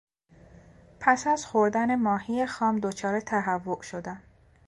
پس از خوردن ماهی خام دچار تهوع شدم.